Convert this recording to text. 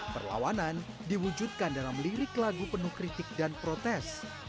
perlawanan diwujudkan dalam lirik lagu penuh kritik dan protes